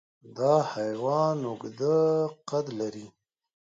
دا حیوان اوږده قد لري.